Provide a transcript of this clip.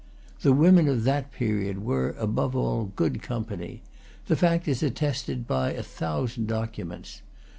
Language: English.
The women of that period were, above all, good company; the fact is attested by a thousand documents.